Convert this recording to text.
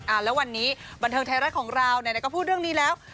อ่าและวันนี้บรรเทิงไทยรัฐของเราเนี่ยก็พูดเรื่องนี้แล้ว